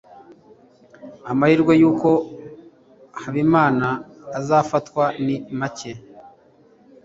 amahirwe yuko habimana azafatwa ni make